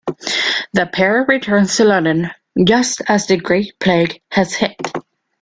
The pair returns to London just as the Great Plague has hit.